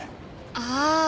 ああ。